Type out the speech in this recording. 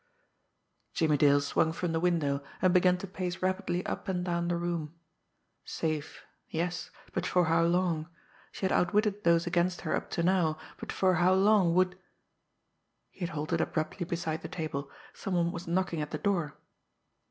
Jimmie Dale swung from the window, and began to pace rapidly up and down the room. Safe yes! But for how long? She had outwitted those against her up to now, but for how long would He had halted abruptly beside the table. Some one was knocking at the door.